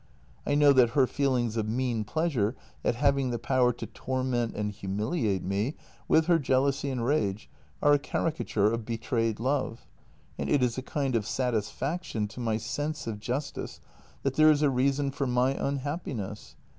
I know that her feelings of mean pleasure at having the power to torment and humiliate me with her jealousy and rage are a caricature of betrayed love, and it is a kind of satisfaction to my sense of justice that there is a reason for my unhappiness.